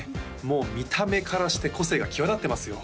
もう見た目からして個性が際立ってますよ